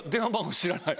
知らない？